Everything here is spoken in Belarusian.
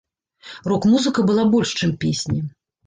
Рок-музыка была больш чым песні.